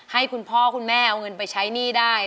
ให้คุณพ่อคุณแม่เอาเงินไปใช้หนี้ได้